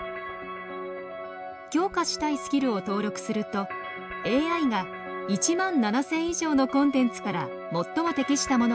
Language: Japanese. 強化したいスキルを登録するとＡＩが１万７，０００以上のコンテンツから最も適したものを推薦してくれます。